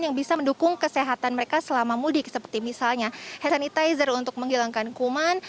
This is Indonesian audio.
yang bisa mendukung kesehatan mereka selama mudik seperti misalnya hand sanitizer untuk menghilangkan kuman